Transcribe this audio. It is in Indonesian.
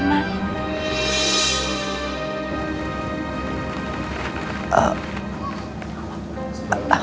oh allah bu ceritanya panjang